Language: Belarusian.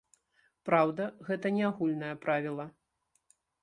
Праўда, гэта не агульнае правіла.